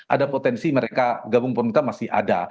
ada potensi mereka gabung pemerintah masih ada